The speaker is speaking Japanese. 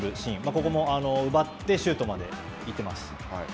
ここも奪って、シュートまで行ってます。